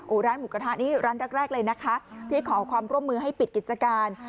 ร้านหมูกระทะนี่ร้านแรกเลยนะคะที่ขอความร่วมมือให้ปิดกิจการ